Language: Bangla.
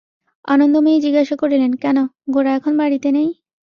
আনন্দময়ী জিজ্ঞাসা করিলেন, কেন, গোরা এখন বাড়িতে নেই?